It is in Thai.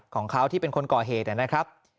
ของเขาที่เป็นคนก่อเหตุนะครับ